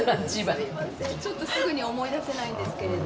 ちょっとすぐには思い出せないんですけれども。